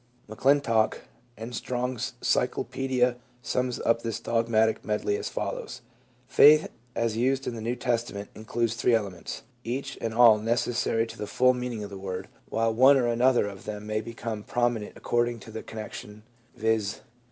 McClintock and Strong's Cyclopaedia sums up this dogmatic medley as follows : "Faith, as used in the New Testament, includes three elements, each and all necessary to the full meaning of the word, while one PSYCHOLOGY OF RELIGIOUS PHENOMENA. 359 or another of them may become prominent according to the connection, viz.